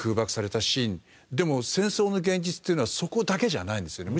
でも戦争の現実っていうのはそこだけじゃないんですよね。